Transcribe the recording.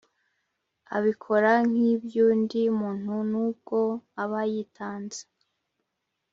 abikora nk’iby’undi muntu n’ubwo aba yitanze